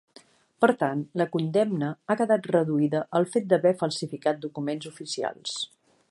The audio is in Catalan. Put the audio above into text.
Per tant, la condemna ha quedat reduïda al fet d’haver falsificat documents oficials.